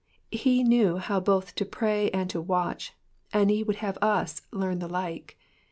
He knew how both to pray and to watch, iad he would hare ns learn the like.